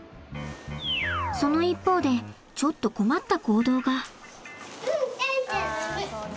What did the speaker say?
その一方でちょっと困った行動が。